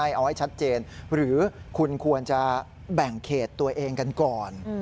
เอาให้ชัดเจนหรือคุณควรจะแบ่งเขตตัวเองกันก่อน